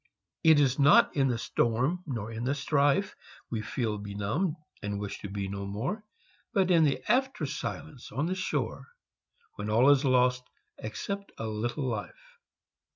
It is not in the storm nor in the strife We feel benumbed, and wish to be no more, But in the after silence on the shore, When all is lost, except a little life.